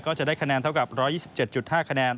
ก็จะได้คะแนนเท่ากับ๑๒๗๕คะแนน